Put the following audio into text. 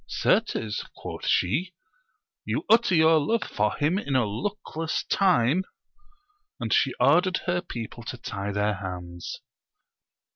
Certes, quoth she, you utter your love for him in a luckless time ; and she ordered her people to tie their hands.